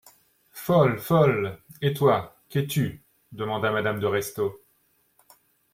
Folle ! folle ! Et toi, qu'es-tu ? demanda madame de Restaud.